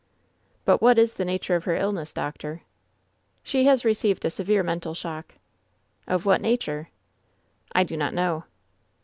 "But what is the nature of her illness, doctor?" "She has received a severe mental shock." "Of what nature?" "I do not know."